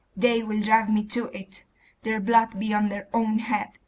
'They will drive me to it.... Their blood be on their own head!